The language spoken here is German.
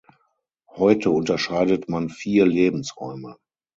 Heute unterscheidet man vier Lebensräume.